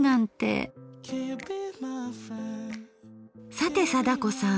さて貞子さん。